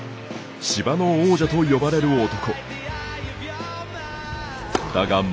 芝の王者と呼ばれる男。